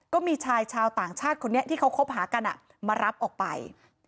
ก็มีชายชาวต่างชาติคนนี้ที่เขาคบหากันมารับออกไป